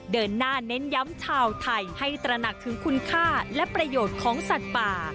เดินหน้าเน้นย้ำชาวไทยให้ตระหนักถึงคุณค่าและประโยชน์ของสัตว์ป่า